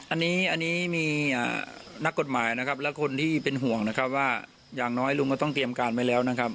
อันนี้มีนักกฎหมายนะครับและคนที่เป็นห่วงนะครับว่าอย่างน้อยลุงก็ต้องเตรียมการไว้แล้วนะครับ